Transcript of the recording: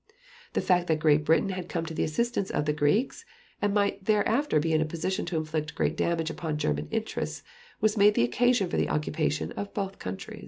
The fact that Great Britain had come to the assistance of the Greeks, and might thereafter be in a position to inflict great damage upon German interests was made the occasion for the occupation of both countries.